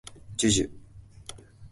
じゅじゅ